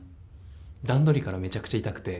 段取りからめちゃくちゃ痛くて。